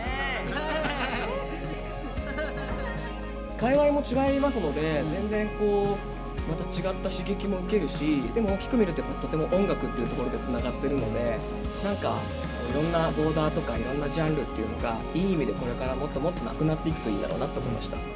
界わいも違いますので全然こうまた違った刺激も受けるしでも大きく見ると音楽っていうところでつながっているのでいろんなボーダーとかいろんなジャンルっていうのがいい意味でこれからもっともっとなくなっていくといいんだろうなと思いました。